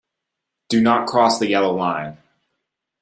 Do not cross the yellow line.